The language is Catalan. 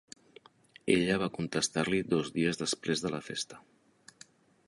Ella va contestar-li dos dies després de la festa.